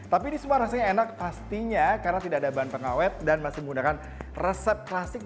tapi ini semua rasanya enak pastinya karena tidak ada bahan pengawet dan masih menggunakan resep klasik